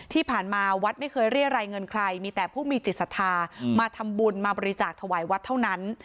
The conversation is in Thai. ที่ผ่านมาวัดไม่เคยเรียรายเงินใครมีแต่ผู้มีจิตศรัทธามาทำบุญมาบริจาคถวายวัดเท่านั้น